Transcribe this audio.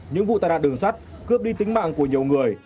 những vụ tai nạn đường sắt cướp đi tính mạng của nhiều người